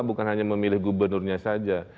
bukan hanya memilih gubernurnya saja